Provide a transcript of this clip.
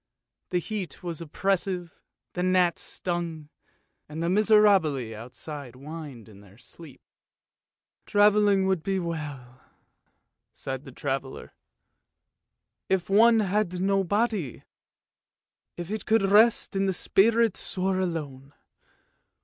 The heat was oppressive, the gnats stung, and the miserabili outside whined in their sleep. " Travelling would be well enough," sighed the traveller, " if one had no body. If it could rest and the spirit soar alone.